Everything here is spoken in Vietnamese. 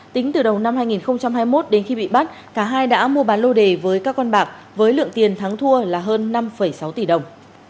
tính từ đầu năm hai nghìn hai mươi một đến khi bị bắt cả hai đã mua bán lô đề với các con bạc với lượng tiền thắng thua là hơn năm sáu tỷ đồng